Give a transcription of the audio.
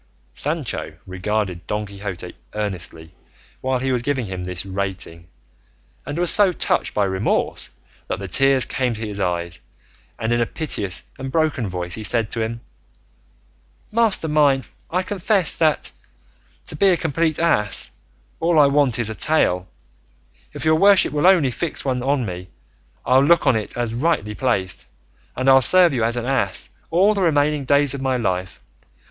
Sancho regarded Don Quixote earnestly while he was giving him this rating, and was so touched by remorse that the tears came to his eyes, and in a piteous and broken voice he said to him, "Master mine, I confess that, to be a complete ass, all I want is a tail; if your worship will only fix one on to me, I'll look on it as rightly placed, and I'll serve you as an ass all the remaining days of my life.